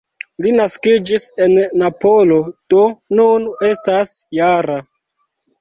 Li naskiĝis en Napolo, do nun estas -jara.